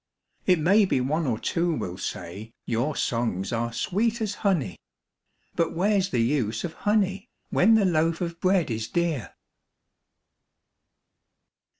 It may be one or two will say your songs are sweet as honey, But where's the use of honey, when the loaf of bread is dear?